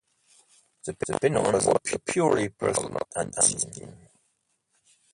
The pennon was a purely personal ensign.